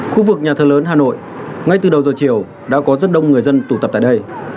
khu vực nhà thờ lớn hà nội ngay từ đầu giờ chiều đã có rất đông người dân tụ tập tại đây